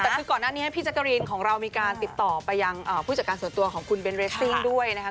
แต่คือก่อนหน้านี้พี่แจ๊กกะรีนของเรามีการติดต่อไปยังผู้จัดการส่วนตัวของคุณเบนเรสซิ่งด้วยนะคะ